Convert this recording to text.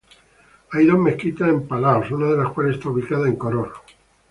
Hay dos mezquitas en Palaos, una de las cuales está ubicada en Koror.